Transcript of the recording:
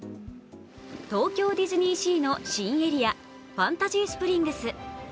東京ディズニーシーの新エリア、ファンタジースプリングス。